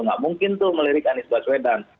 nggak mungkin tuh melirik anies baswedan